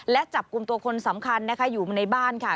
และจับกลุ่มตัวคนสำคัญนะคะอยู่ในบ้านค่ะ